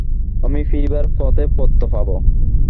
আমি ফিরিবার পথে পত্র পাব।